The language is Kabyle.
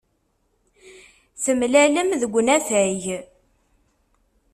Temlalem deg unafag.